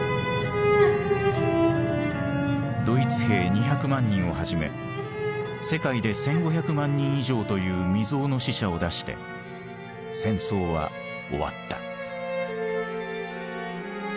ドイツ兵２００万人をはじめ世界で１，５００万人以上という未曽有の死者を出して戦争は終わった。